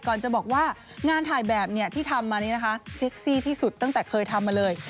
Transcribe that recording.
จะบอกว่างานถ่ายแบบที่ทำมานี้นะคะเซ็กซี่ที่สุดตั้งแต่เคยทำมาเลย